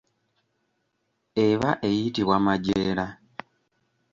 Eba eyitibwa majeera.